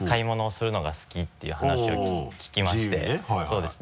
そうです。